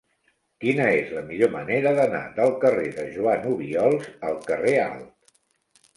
Quina és la millor manera d'anar del carrer de Joan Obiols al carrer Alt?